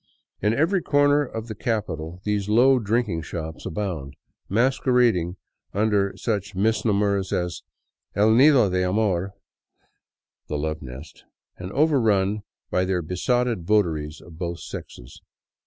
In every corner of the capital these low drinking shops abound, mas querading under such misnomers as " El Nido de Amor "—" The Love Nest,'' — and overrun by their besotted votaries of both sexes.